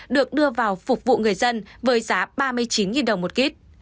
được đưa vào phục vụ người dân với giá ba mươi chín đồng một lít